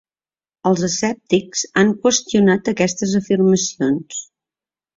Els escèptics han qüestionat aquestes afirmacions.